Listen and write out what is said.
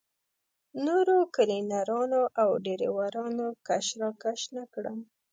نورو کلینرانو او ډریورانو کش راکش نه کړم.